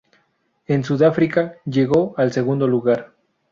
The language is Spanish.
En Sudáfrica llegó al segundo lugar.